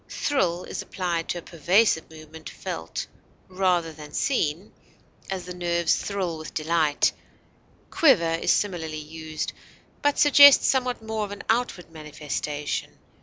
Thrill is applied to a pervasive movement felt rather than seen; as, the nerves thrill with delight; quiver is similarly used, but suggests somewhat more of outward manifestation.